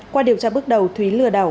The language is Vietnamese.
qua điều tra bước đầu thúy lừa đảo